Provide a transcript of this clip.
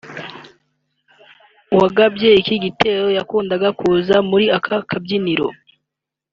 wagabye iki gitero yakundaga kuza muri ako kabyiniro